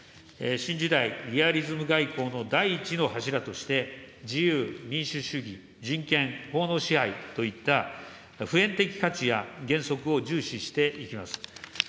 新時代、リアリズム外交の第１の柱として、自由、民主主義、人権、法の支配といった普遍的価値や原則を重視していきます。